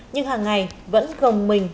nhưng hàng ngày vẫn gồng mình